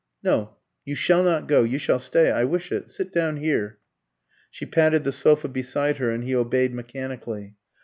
"No, you shall not go. You shall stay. I wish it. Sit down here." She patted the sofa beside her, and he obeyed mechanically.